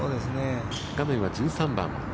画面は１３番。